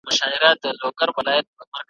چي ډزي نه وي توري نه وي حادثې مو وهي ,